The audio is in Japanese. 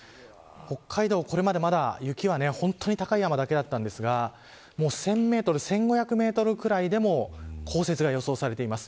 北海道、これまでまだ雪は本当に高い山だけだったんですが１０００メートル１５００メートルぐらいでも降雪が予想されています。